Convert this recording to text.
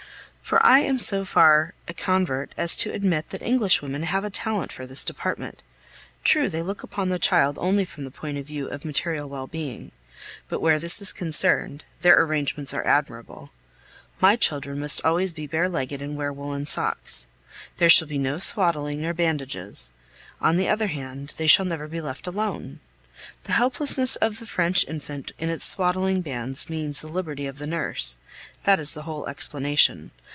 For I am so far a convert as to admit that English women have a talent for this department. True, they look upon the child only from the point of view of material well being; but where this is concerned, their arrangements are admirable. My children must always be bare legged and wear woollen socks. There shall be no swaddling nor bandages; on the other hand, they shall never be left alone. The helplessness of the French infant in its swaddling bands means the liberty of the nurse that is the whole explanation.